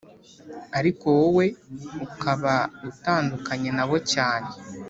ariko wowe ukaba utandukanye nabo cyane